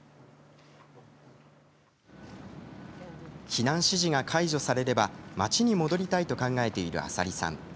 避難指示が解除されれば町に戻りたいと考えている麻里さん。